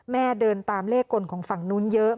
เดินตามเลขกลของฝั่งนู้นเยอะ